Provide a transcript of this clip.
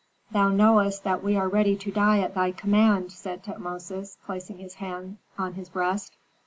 "Thou knowest that we are ready to die at thy command," said Tutmosis, placing his hand on his breast.